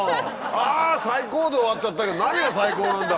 「あ最高」で終わっちゃったけど何が最高なんだ